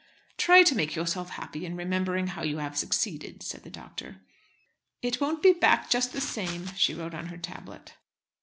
"Try to make yourself happy in remembering how you have succeeded," said the doctor. "It won't be back just the same," she wrote on her tablet.